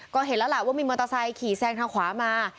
ก็เห็นแล้วล่ะว่ามีมอเตอร์ไซค์ขี่แซงทางขวามา